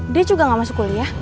dia juga gak masuk kuliah